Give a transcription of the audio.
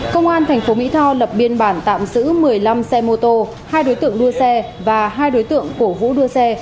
công an tp mỹ tho lập biên bản tạm giữ một mươi năm xe mô tô hai đối tượng đua xe và hai đối tượng cổ vũ đua xe